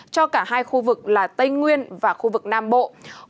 cho cả hai khu vực là tây nguyên và khu vực tây nguyên